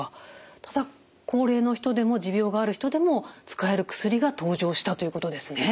ただ高齢の人でも持病がある人でも使える薬が登場したということですね。